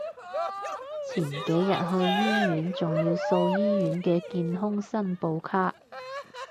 前幾日去醫院仲要掃醫院嘅健康申報卡